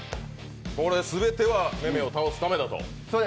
これ、すべてはめめを倒すためだと？